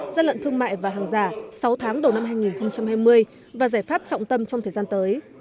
gian lận thương mại và hàng giả sáu tháng đầu năm hai nghìn hai mươi và giải pháp trọng tâm trong thời gian tới